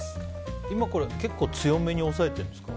今、結構強めに押さえてるんですか。